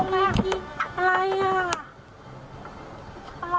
เฮ้ยจีนจีนอะไรอ่ะ